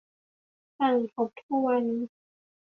สั่งทบทวน